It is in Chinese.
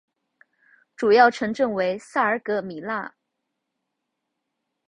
主要城镇为萨尔格米讷。